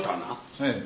ええ。